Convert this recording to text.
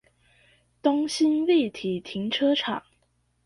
東興立體停車場